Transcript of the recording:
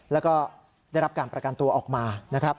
แล้วก็ได้รับการประกันตัวออกมา